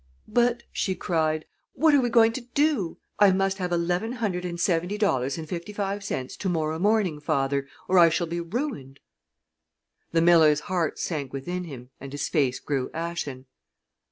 "But," she cried, "what are we going to do? I must have eleven hundred and seventy dollars and fifty five cents to morrow morning, father, or I shall be ruined." The miller's heart sank within him and his face grew ashen.